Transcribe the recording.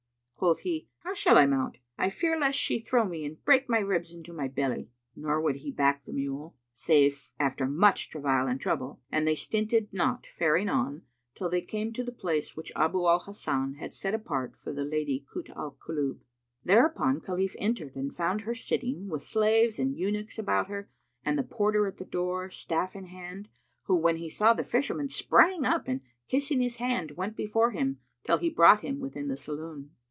Quoth he, "How shall I mount? I fear lest she throw me and break my ribs into my belly." Nor would he back the mule, save after much travail and trouble, and they stinted not faring on, till they came to the place which Abu al Hasan had set apart for the Lady Kut al Kulub. Thereupon Khalif entered and found her sitting, with slaves and eunuchs about her and the porter at the door, staff in hand, who when he saw the Fisherman sprang up and kissing his hand, went before him, till he brought him within the saloon.